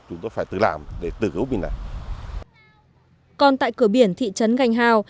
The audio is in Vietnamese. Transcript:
huyện bạc liêu